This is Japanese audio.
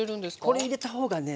これ入れた方がね